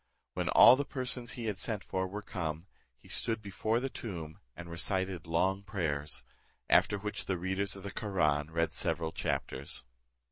When all the persons he had sent for were come, he stood before the tomb, and recited long prayers; after which the readers of the Koraun read several, chapters.